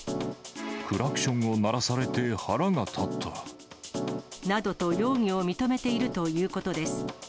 クラクションを鳴らされて腹などと容疑を認めているということです。